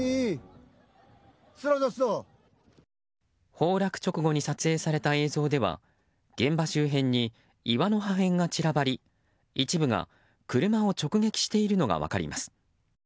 崩落直後に撮影された映像では現場周辺に岩の破片が散らばり一部が車を直撃しているのが分かります。